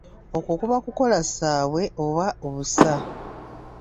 Okwo kuba kukoka ssaabwe oba obusa.